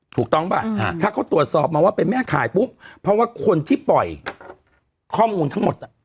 ถูกต้องป่ะถ้าเขาตรวจสอบมาว่าเป็นแม่ขายปุ๊บเพราะว่าคนที่ปล่อยข้อมูลทั้งหมด